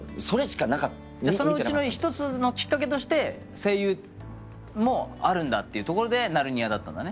そのうちの一つのきっかけとして声優もあるんだってところで『ナルニア』だったんだね？